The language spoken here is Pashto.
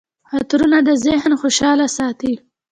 عطرونه د ذهن خوشحاله ساتي.